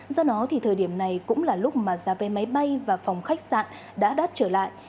do đó thì thời điểm này cũng là lúc mà giá vé máy bay và phòng khách sạn đã đắt trở lại